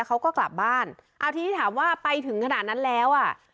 เขาก็กลับบ้านเอาทีนี้ถามว่าไปถึงขนาดนั้นแล้วอ่ะ